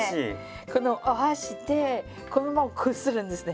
このお箸でこのままこするんですね。